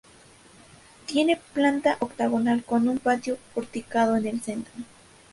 Tiene planta octogonal con un patio porticado en el centro.